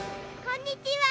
こんにちは。